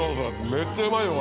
めっちゃうまいよこれ。